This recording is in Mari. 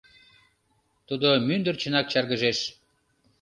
Тудо мӱндырчынак чаргыжеш: